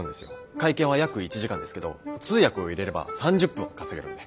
会見は約１時間ですけど通訳を入れれば３０分は稼げるんで。